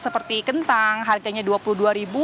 seperti kentang harganya rp dua puluh dua